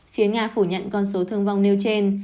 phía nga phủ nhận con số thương vong nêu trên